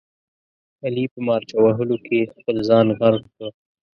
علي په مارچه وهلو کې خپل ځان غرق کړ.